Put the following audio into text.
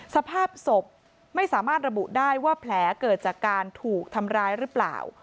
สภาพศพไม่สามารถระบุได้ว่าแผลเกิดจากการถูกทำร้ายหรือเปล่า